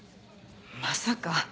まさか。